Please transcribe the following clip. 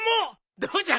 どうじゃ？